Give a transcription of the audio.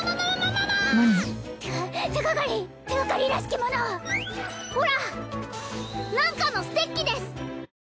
何？手がかり手がかりらしきものをほら何かのステッキです！